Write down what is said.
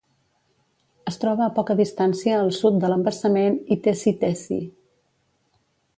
Es troba a poca distància al sud de l'embassament Itezhi-Tezhi.